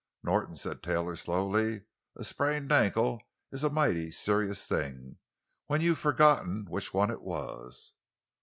"Norton," said Taylor slowly, "a sprained ankle is a mighty serious thing—when you've forgotten which one it was!"